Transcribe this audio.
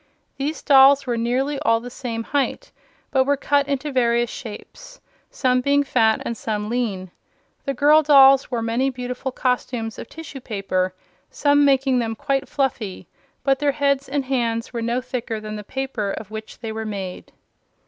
These dolls were nearly all the same height, but were cut into various shapes, some being fat and some lean. The girl dolls wore many beautiful costumes of tissue paper, making them quite fluffy; but their heads and hands were no thicker than the paper of which they were made.